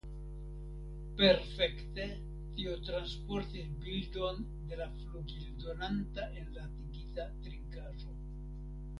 Perfekte tio transportis bildon de la 'flugildonanta' enlatigita trinkaĵo.